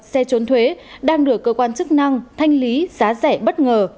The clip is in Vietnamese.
xe trốn thuế đang được cơ quan chức năng thanh lý giá rẻ bất ngờ